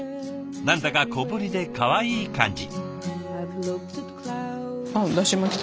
何だか小ぶりでかわいい感じ。